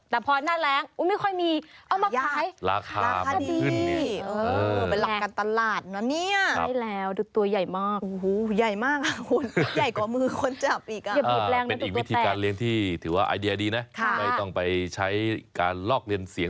แต่พอหน้าแรงไม่ค่อยมีเอามาขาย